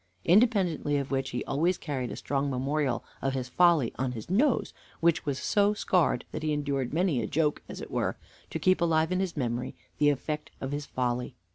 Independently of which he always carried a strong memorial of his folly on his nose, which was so scarred that he endured many a joke, as it were, to keep alive in his memory the effect of his folly.